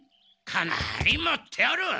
かなりもっておる！